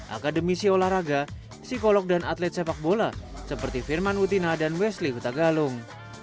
akademisi olahraga psikolog dan atlet sepak bola seperti firman utina dan wesley utagalung